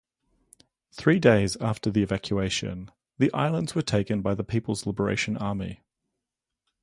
Three days after the evacuation, the islands were taken by the People's Liberation Army.